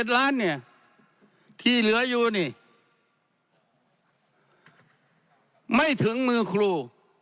๙๐๗๗ล้านที่เหลืออยู่นี่ไม่ถึงมือครู